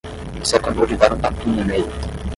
Você acabou de dar um tapinha nele.